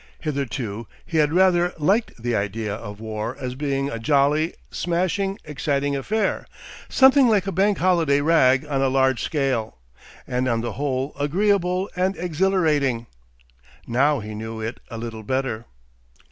Hitherto he had rather liked the idea of war as being a jolly, smashing, exciting affair, something like a Bank Holiday rag on a large scale, and on the whole agreeable and exhilarating. Now he knew it a little better.